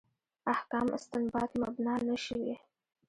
احکام استنباط مبنا نه شوي.